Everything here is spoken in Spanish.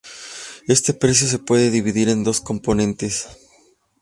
Este precio se puede dividir en dos componentes.